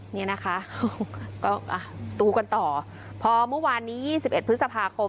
เนี่ยนะคะก็อ่ะตูกันต่อพอเมื่อวานนี้ยี่สิบเอ็ดพฤษภาคม